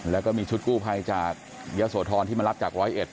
แล้วก็มีชุดกู้ภัยจากยะโสธรที่มารับจากร้อยเอ็ด